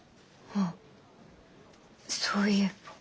あっそういえば。